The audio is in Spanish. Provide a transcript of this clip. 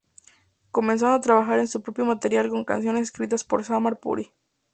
Comenzaron a trabajar en su propio material con canciones escritas por Samar Puri.